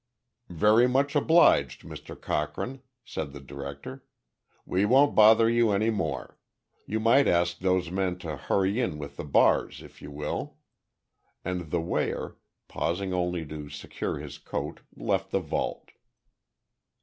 "Very much obliged, Mr. Cochrane," said the director. "We won't bother you any more. You might ask those men to hurry in with the bars, if you will." And the weigher, pausing only to secure his coat, left the vault.